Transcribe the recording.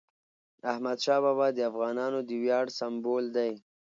احمدشاه بابا د افغانانو د ویاړ سمبول دی.